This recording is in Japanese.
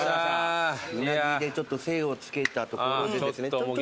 うなぎでちょっと精をつけたところでですね